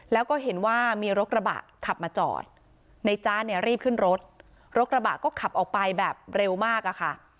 แล้วก็เห็นว่ามีรถกระบะขับมาจอดในจ๊ะเนี่ยรีบขึ้นรถรถกระบะก็ขับออกไปแบบเร็วมากอะค่ะ